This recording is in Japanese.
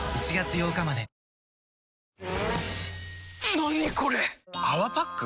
何これ⁉「泡パック」？